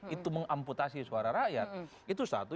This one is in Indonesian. itu mengamputasi suara rakyat itu satu